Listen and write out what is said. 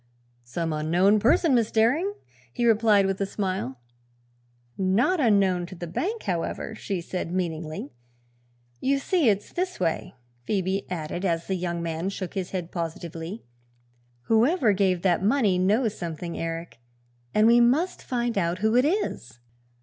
"Some unknown person, Miss Daring," he replied with a smile. "Not unknown to the bank, however," she said meaningly. "You see, it's this way," Phoebe added, as the young man shook his head positively, "whoever gave that money knows something, Eric, and we must find out who it is.